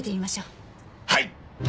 はい！